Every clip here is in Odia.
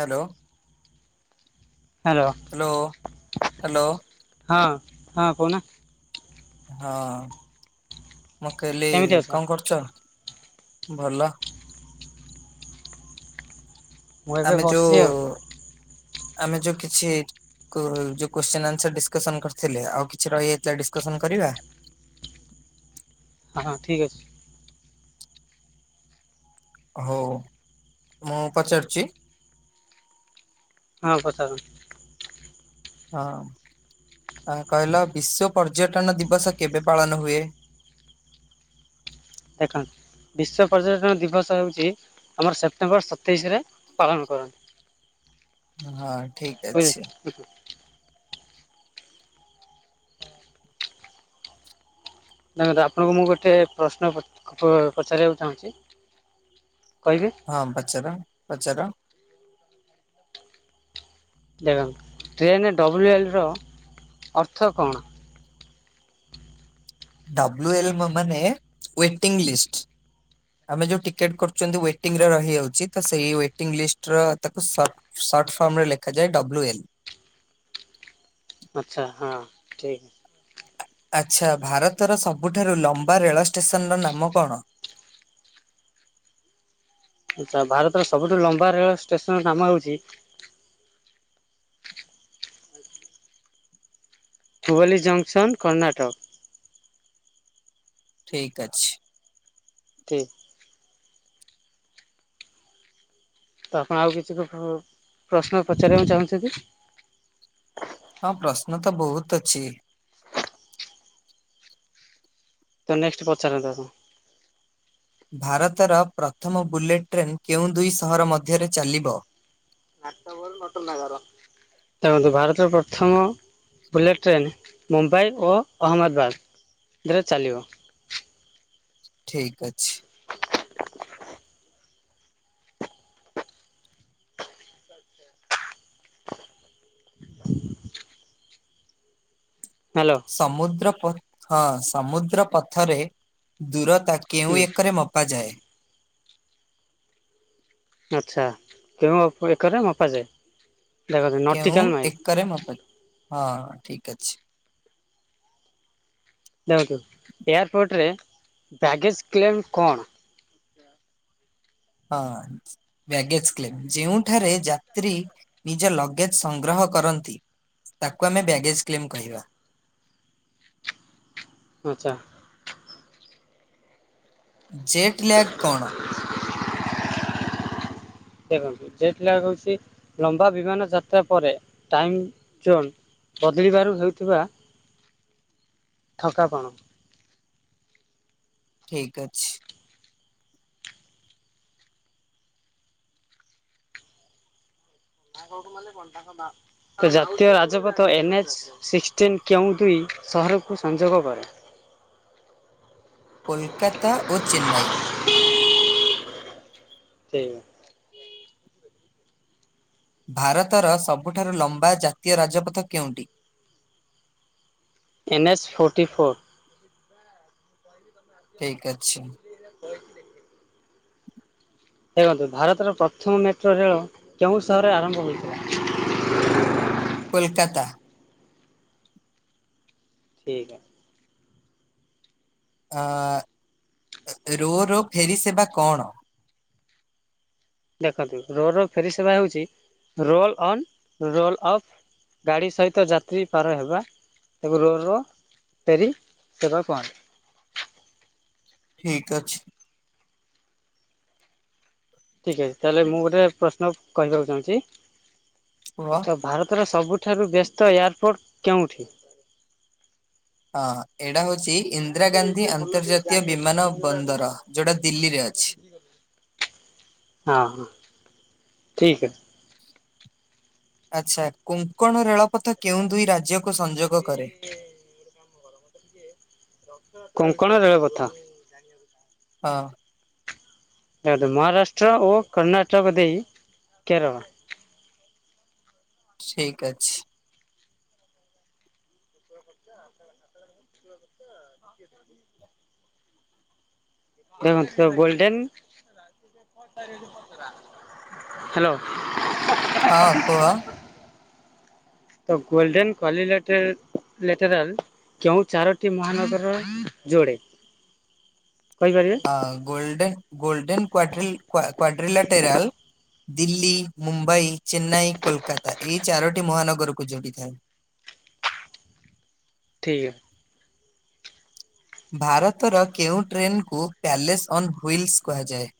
Hello hello hello hello hello ହଁ ହଁ କହୁନା। ହଁ ମୁଁ କହଲିି କେମିତି ଅଛ? କଣ କରୁଛ? ଭଲ ହଁ ଆମେ ଯୋଉ ଆମେ ଯୋଉ କିଛି ଯୋଉ କୋଶ୍ଚିନ୍ ଆନ୍ସର ଡିସକସନ କରିଥିଲେ ଆଉ କିଛି ରହିଯାଇଥିଲା ଡିସକସନ କରିବା। ହଁ ହଁ ଠିକ୍ ଅଛି। ହଉ ମୁଁ ପଚାରୁଛି। ହଁ ପଚାର। ହଁ କହିଲ ବିଶ୍ଵ ପର୍ଯ୍ୟଟନ ଦିବସ କେବେ ପାଳନ ହୁଏ? ଦେଖନ୍ତୁ ବିଶ୍ବ ପର୍ଯ୍ୟଟନ ଦିବସ ହେଉଛି। ଆମର ସେପ୍ଟେମ୍ବର ସତେଇଶରେ ପାଳନ କରନ୍ତି। ହଁ ଠିକ ବୁଝିଲେ ଅଛି। ଆପଣଙ୍କୁ ମୁଁ ଗୋଟିଏ ପ୍ରଶ୍ନ ପଚାରିବାକୁ ଚାହୁଁଛି କହିବି। ହଁ ପଚାର ପଚାର। ଦେବେ ଟେନ୍ ଡବ୍ଲ୍ୟୁ ଏଲ ର ଅର୍ଥ କଣ? ଡବ୍ଲୁ ଏଲ ମାନେ ୱେଟିଂ ଲିଷ୍ଟ। ଆମେ ଯୋଉ ଟିକେଟ କରୁଛନ୍ତି ୱେଟିଂ ର ରହିଯାଉଛି ତ ସେଇ ୱେଟିଂ ଲିଷ୍ଟ ର ତାକୁ ସଟ୍ ସର୍ଟ ଫର୍ମ ରେ ଲେଖାଯାଏ ଡବ୍ଲୁ ଏଲ୍। ଆଚ୍ଛା ହଁ ଠିକ୍ ଅଛି। ଆଚ୍ଛା ଭାରତର ସବୁଠାରୁ ଲମ୍ବା ରେଳଷ୍ଟେସନର ନାମ କଣ? ଆଚ୍ଛା ଭାରତର ସବୁଠୁ ଲମ୍ବା ରେଳ ଷ୍ଟେସନର ନାମ ହେଉଛି ହୁବଲି ଯଂକ୍ସନ କର୍ଣ୍ଣାଟକ। ଠିକ୍ ଅଛି। ଠିକ୍ ତ ଆପଣ ଆଉ କିଛି ପ୍ର ପ୍ର ପ୍ରଶ୍ନ ପଚାରିବାକୁ ଚାହୁଁଛନ୍ତି। ହଁ ପ୍ରଶ୍ନ ତ ବହୁତ ଅଛି। ତ ନେକ୍ସଟ ପଚାରନ୍ତୁ ଆପଣ। ଭାରତର ପ୍ରଥମ ବୁଲେଟ ଟ୍ରେନ୍ କେଉଁ ଦୁଇ ସହର ମଧ୍ୟରେ ଚାଲିବ? ନାଟବର ନଟ ନାଗର। ଦେଖନ୍ତୁ ଭାରତର ପ୍ରଥମ ବୁଲେଟ୍ ଟ୍ରେନ୍ ମୁମ୍ବାଇ ଓ ଅହମ୍ମଦବାଦରେ ଚାଲିବ। ଠିକ ଅଛି। ହାଲୋ। ସମୁଦ୍ର ପ ହଁ ସମୁଦ୍ର ପଥରେ ଦୂରତା କେଉଁ ହୁଁ ଏକରେ ମପାଯାଏ? ଆଚ୍ଛା କେଉଁ ଏକରେ ମପାଯାଏ ଦେଖ ନଟିକାଲ ମାଇ। କରେ ମୋ ପାଇ ହଁ ଠିକ ଅଛି। ଦେଖନ୍ତୁ ଏୟାରପୋର୍ଟରେ ବ୍ୟାଗେଜ କ୍ଲେମ୍ କଣ? ହଁ ବ୍ୟାଗେଜ କ୍ଲମେ ଯେଉଁଠାରେ ଯାତ୍ରୀ ନିଜ ଲଗେଜ ସଂଗ୍ରହ କରନ୍ତି। ତାକୁ ଆମେ ବ୍ୟାଗେଜ କ୍ଲେମ କହିବା ଆଚ୍ଛା ଜେଟ୍ ଲ୍ୟାଗ୍ କଣ? ଦେଖନ୍ତୁ ଜେଟ୍ ଲ୍ୟାଗ୍ ହୋଉଛି ଲମ୍ବା ବିମାନ ଯାତ୍ରା ପରେ ଟାଇମ୍ ଜୋନ୍ ବଦଳିବାରୁ ହେଉଥିବା ଠଙ୍କାପଣ ଠିକ ଅଛି ଏ ଜାତୀୟ ରାଜପଥ ଏନଚ ସିକ୍ସଟିନ୍ କେଉଁ ଦୁଇ ସହରକୁ ସଂଯୋଗ କରେ? କୋଲକାତା ଓ ଚେନ୍ନାଇ [inaudible] ସେ୍ [unintelligible] ଭାରତର ସବୁଠାରୁ ଲମ୍ବା ଜାତୀୟ ରାଜପଥ କେଉଁଠି? ଏନ୍ ଏସ୍ ଫୋର୍ଟି ଫୋର୍ ତ [unintelligible] ଠିକ ଅଛି କହିଥିଲ କି ଦେଖନ୍ତୁ ଭାରତର ପ୍ରଥମ ମେଟ୍ରୋ ରେଳ କେଉଁ ସହରରେ ଆରମ୍ଭ ହୋଇଥିଲା? କୋଲକାତା ଠିକ୍ ଅ ରୋ ରୋ ଫେରି ସେବା କଣ? ଦେଖନ୍ତୁ ରୋ ର ଫେରି ସେବା ହେଉଛି ରୋଲ୍ ଅନ୍ ରୋଲ୍ ଅଫ୍ ଗାଡ଼ି ସହିତ ଯାତ୍ରୀ ପାର ହେବା ତାକୁ ରୋ ରୋ ସେରି ସେବା କୁହନ୍ତି ଠିକି ଅଛି ଠିକ୍ ଅଛି ତାହେଲେ ମୁଁ ଗୋଟେ ପ୍ରଶ୍ନ କହିବାକୁ ଚାହୁଁଛି କୁହ। ତ ଭାରତର ସବୁଠାରୁ ବ୍ୟସ୍ତ ଏୟାରପୋର୍ଟ କେଉଁଠି? ହଁ ଏଇଟା ହଉଛି ଇନ୍ଦିରା ଗାନ୍ଧୀ ଅନ୍ତର୍ଜାତୀୟ ବିମାନ ବନ୍ଦର ଯୋଉଟା ଦିଲ୍ଲୀରେ ଅଛି। ହଁ ହଁ ଠିକ୍ ଅ ଆଛା କୋଙ୍କଣ ରେଳପଥ କେଉଁ ଦୁଇ ହଉଥିଲା ରାଜ୍ୟକୁ ସଂଯୋଗ ଏବେ କରେ? ଗୋଟେ କାମକର କଙ୍କଣ ରେଳ ପଥ ହଁ ଯେହେତୁ ମହାରାଷ୍ଟ୍ର ଓ କର୍ଣ୍ଣାଟକ ଦେଇ କେରଳ ଠିକ୍ ଅଛି [unintelligible] ସେ ମଧ୍ୟ ଗୋଲଡେନ ହ୍ୟାଲୋ ହଁ କୁହ ତ ଗୋଲ୍ଡେନ କଲି ଲଟର ଲେଟେରଲ କେଉଁ ଚାରୋଟି ମହାନଗର ଯୋଡେ କହିପାରିବେ। ଆଁ ଗୋଲଡେନ ଗୋଲଡେନ୍ କ୍ଵାଟ୍ରିଲ୍ କ୍ୱା କ୍ୱାଡ୍ରିଲା ଟେରାଲ। ଦିଲ୍ଲୀ ମୁମ୍ବାଇ ଚେନ୍ନାଇ କୋଲକାତା ଏଇ ଚାରୋଟି ମହାନଗରକୁ ଯୋଡ଼ିଥାଏ। ଠିକ୍ ଆ। ଭାରତର କେଉଁ ଟ୍ରେନ୍କୁ ପ୍ୟାଲେସ୍ ଅନ୍ ହୁଇଲ୍ସ କୁହାଯାଏ।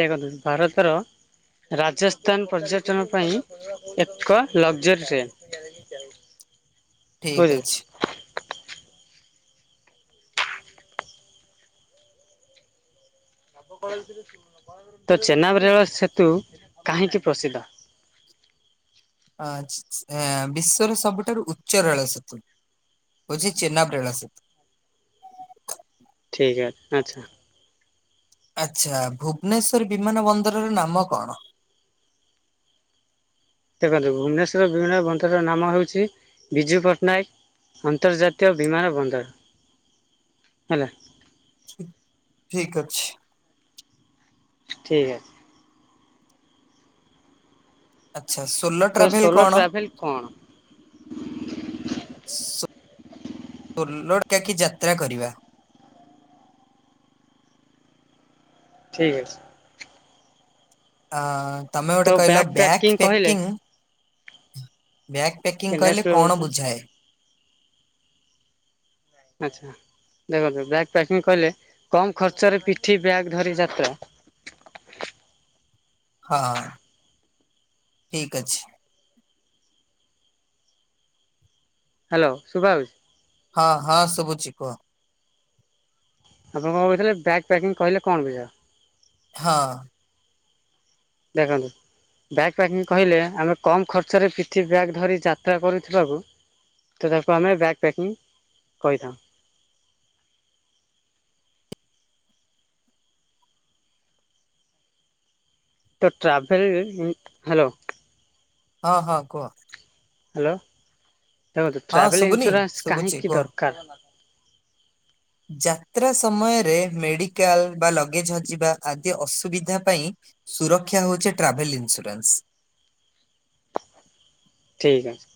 ଦେଖନ୍ତୁ ଭାରତର। ରାଜସ୍ଥାନ ପର୍ଯ୍ୟଟନ ପାଇଁ ଏକ ଲକ୍ଜରୀ ଟ୍ରେନ୍। [unintelligible] ଠିକ୍ ବୁଝିଲେ ଅଛି। ତ ଚେନାବ ରେଳ ସେତୁ କାହିଁକି ପ୍ରସିଦ୍ଧ। ଆଁ ଚ ଚ ଏଁ ବିଶ୍ଵର ସବୁଠାରୁ ଉଚ୍ଚ ରଳ ସେତୁ। ହଉଛି ଚେନାବ ରେଳ ସେତୁ। ଠିକ୍ ଅଛି ଆଚ୍ଛା। ଆଚ୍ଛା ଭୁବନେଶ୍ଵର ବିମାନ ବନ୍ଦରର ନାମ କଣ। ଦେଖନ୍ତୁ ଭୁବନେଶ୍ୱର ବିମାନ ବନ୍ଦର ର ନାମ ହେଉଛି ବିଜୁ ପଟ୍ଟନାୟକ। ଅନ୍ତର୍ଜାତୀୟ ବିମାନ ବନ୍ଦର ହେଲା। ଠିକ୍ ଠିକ ଅଛି। ଠିକ୍ ଅଛି। ଆଚ୍ଛା ସୋଲୋ ତ ଟ୍ରାଭେଲ ସୋଲୋ କଣ। ଟ୍ରାଭେଲ୍ କଣ? ସୋ ଲୋଡ ଟ୍ୟାକି ଯାତ୍ରା କରିବା। ଠିକ୍ ଅଛି। ଆଁ ତମେ ଗୋଟେ କହିଲ ବ୍ୟାଗ୍ ପ୍ୟାକିଂ ବ୍ୟାଗ୍। କେ ପ୍ୟାକିଂ ନେକ୍ସଟ କହିଲେ କଣ ରହୁଛି ବୁଝାଏ। ଆଛା ଦେଖନ୍ତୁ ବ୍ୟାଗ୍ ପ୍ୟାକିଂ କହିଲେ କମ୍ ଖର୍ଚ୍ଚରେ ପିଠି ବ୍ୟାଗ ଧରି ଯାତ୍ରା। ହଁ ଠିକ ଅଛି। ହାଲୋ ସୁଭାଯାଉଚି। ହଁ ହଁ ସଭୁଛି କୁହ। ଆପଣ କଣ କହୁଥିଲେ ବଗ୍ ପ୍ୟାକିଂ କହିଲେ କଣ ବୁଝାଅ। ହଁ। ଦେଖନ୍ତୁ। ବ୍ୟାଗ୍ ପ୍ୟାକିଂ କହିଲେ ଆମେ କମ୍ ଖର୍ଚ୍ଚରେ ପିଠି ବ୍ୟାଗ୍ ଧରି ଯାତ୍ରା କରୁ ଥିବାକୁ। ତ ତାକୁ‌ ଆମେ ବ୍ୟାଗ୍ ପ୍ୟାକିଂ କଇ ଥାଉ। ତ ଟ୍ରାଭେଲ ଇଂ ହାଲୋ। ହଁ ହଁ କୁହ। ହ୍ୟାଲୋ ଦେଖନ୍ତୁ ହଁ ଟ୍ରାଭେଲ ଶୁଭୁନି ଇନ୍ସୁରାନ୍ସ ଶୁଭୁଛି କାହିଁକି କୁହ। ଦରକାର। ଯାତ୍ରା ସମୟରେ ମେଡିକାଲ ବା ଲଗେଜ ହଜିବା ଆଦି ଅସୁବିଧା ପାଇଁ। ସୁରକ୍ଷା ହଉଛି ଟ୍ରାଭେଲ ଇନ୍ସୁରାନ୍ସ। ଠିକ୍ ଅଛି।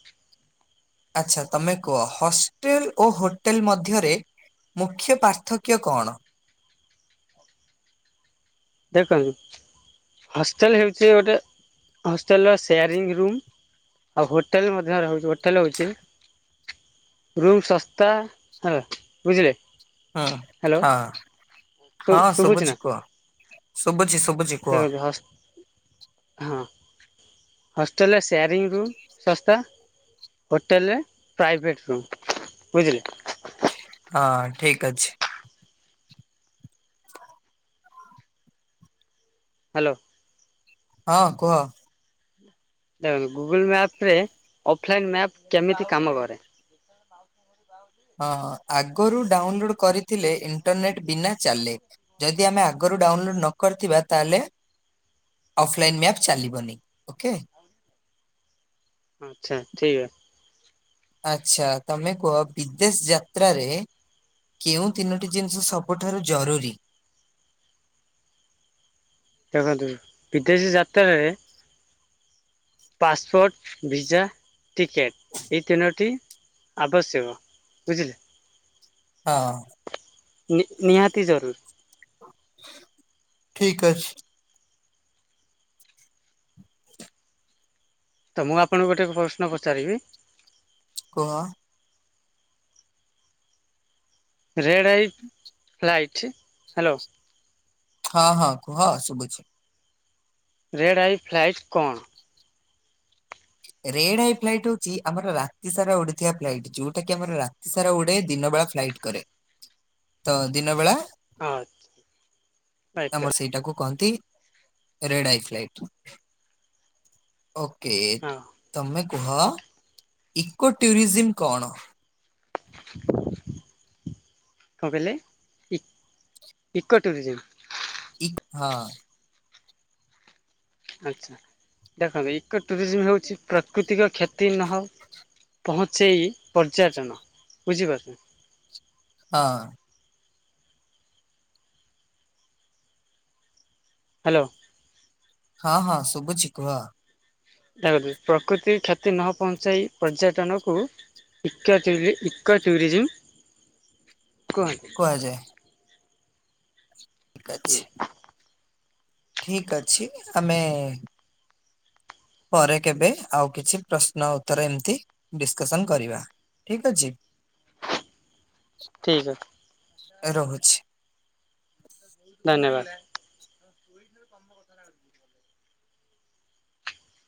ଆଚ୍ଛା ତମେ କୁହ ହଷ୍ଟେଲ ଓ ହୋଟେଲ ମଧ୍ୟରେ। ମୁଖ୍ୟ ପାର୍ଥକ୍ୟ କଣ। ଦେଖନ୍ତୁ ହଷ୍ଟେଲ ହେଉଛି ଗୋଟେ ହଷ୍ଟେଲର ସେୟାରିଙ୍ଗ ରୁମ୍। ଆଉ ହୋଟେଲ ମଧ୍ୟ ରହୁଛି ହୋଟେଲ ହଉଛି। ରୁମ୍ ଶସ୍ତା ହେଲା ବୁଝିଲେ। ହୁଁ ହ୍ୟାଲୋ ହଁ ଶୁ ହଁ ଶୁଭୁଛି ନା ଶବୁଛି କୁହ ଶୁବୁଛି ଶୁବୁଛି କୁହ। ଦେଖନ୍ତୁ ହସ୍ ହଁ ହୋଷ୍ଟେଲ ରେ ସେୟାରିଂ ରୁମ୍ ଶସ୍ତା। ହୋଟେଲରେ ପ୍ରାଇଭେଟ୍ ରୁମ୍ ବୁଝିଲେ। ହଁ ଠିକ ଅଛି। ହ୍ୟାଲୋ। ହଁ କୁହ? ଦେଖନ୍ତ ଗୁଗୁଲ ମ୍ୟାପ ରେ ଅଫଲାଇନ୍ ମ୍ୟାପ କେମିତି କାମ କରେ? ମାଉସୀ ଘ ବାଉଛି। ହଁ ଆଗରୁ ଡାଉନଲୋଡ କରିଥିଲେ ଇଣ୍ଟରନେଟ ବିନା ଚାଲେ। ଯଦି ଆମେ ଆଗରୁ ଡାଉନଲୋଡ ନ କରିଥିବା ତାହେଲେ ଅଫଲାଇନ୍ ମ୍ୟାପ ଚାଲିବନି ଓକେ। ଆଚ୍ଛା ଠିକ୍ ଅ। ଆଚ୍ଛା ତମେ କୁହ ବିଦେଶ ଯାତ୍ରାରେ କେଉଁ ତିନୋଟି ଜିନିଷ ସବୁଠାରୁ ଜରୁରୀ? ଦେଖନ୍ତୁ ବିଦେଶୀ ଯାତ୍ରାରେ ପସପୋର୍ଟ ଭିଜା ଟିକେଟ୍ ଏହିଇ ତିନୋଟି ଆବଶ୍ୟକ ବୁଝିଲେ। ହଁ। ନି ନିହାତି ଜରୁରି। ଠିକ ଅଛି। ତ ମୁଁ ଆପଣଙ୍କୁ ଗୋଟେ ପ୍ରଶ୍ନ ପଚାରିବି? କୁହ? ରେଡ଼୍ ଆଇଟ୍ ଲାଇଟ୍ ହ୍ୟାଲୋ ହଁ ହଁ କୁହଁ ଶୁଭୁଛି? ରେଡ଼୍ ଆଇ ଫ୍ଲାଇଟ୍ କଣ? ରେଡାଇ ଫ୍ଇଟ ହଉଛି ଆମର ରାତି ସାରା ଓଡିଆ ଫ୍ଲାଇଟ ଯୋଉଟା କି ଆମର ସାରା ଉଡେ ଦିନ ବେଳା ଫ୍ଲାଇଟ କରେ ତ ଦିନ ବେଳା ଆଚ୍ଛା। ଆମର ସେଇଟାକୁୁ କହନ୍ତି ରେଡ ଆଇଲାଇଟ। ଓକେ ହଁ ତମେ କୁହ ଇକୋ ଟୁରିଜିମ୍ କଣ? କଣ କହିଲେ ଇ ଇକୋ ଟୁରିଜମ୍? ହଁ। ଆଚ୍ଛା ଦେଖନ୍ତୁ ଏକଇ ଟୁରିଜମ୍ ହେଉଛି ପ୍ରାକୃତିକ କ୍ଷତି ନହଉ ପହଞ୍ଚେଇ ପର୍ଯ୍ୟଟନ ବୁଝିପାରୁଛେ। ହଁ। ହ୍ୟାଲୋ। ହଁ ହଁ ଶୁବୁଛି କୁହ? ଦେ ପ୍ରକୃତି କ୍ଷତି ନ ପହଞ୍ଚାଇ ପର୍ଯ୍ୟଟନକୁ ଇ ଇ ଟୁରିସମ୍ କୁହନ୍ତି। ଆଜା ଠିକ୍ ଅଛି। ଠିକ ଅଛି ଆମେ ପରେ କେବେ ଆଉ କିଛି ପ୍ରଶ୍ନ ଉତ୍ତର ଏମିତି ଡିସକସନ କରିବା। ଠିକ ଅଛି। ଠିକ୍। ରହୁଛି। ଧନ୍ୟବାଦ।